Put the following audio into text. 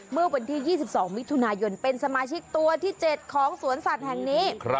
เมื่อวันที่๒๒มิถุนายนเป็นสมาชิกตัวที่๗ของสวนสัตว์แห่งนี้